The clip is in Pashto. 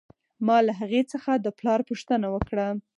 ما له هغې څخه د پلار پوښتنه وکړه